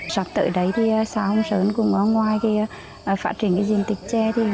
soát tới đấy xã hùng sơn cũng ở ngoài phát triển diện tích trè